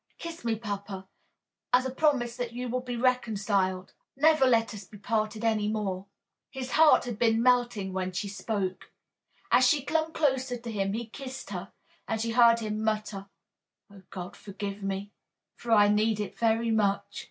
Kiss me, papa, as a promise that you will be reconciled. Never let us be parted any more!" His hard heart had been melting while she spoke. As she clung closer to him he kissed her, and she heard him mutter, "Oh, God forgive me, for I need it very much!"